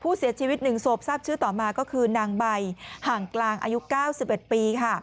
เสียชีวิต๑ศพทราบชื่อต่อมาก็คือนางใบห่างกลางอายุ๙๑ปี